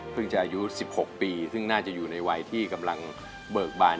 จะอายุ๑๖ปีซึ่งน่าจะอยู่ในวัยที่กำลังเบิกบาน